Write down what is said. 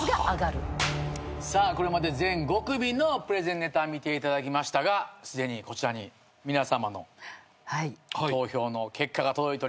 さあこれまで全５組のプレゼンネタ見ていただきましたがすでにこちらに皆さまの投票の結果が届いておりますから。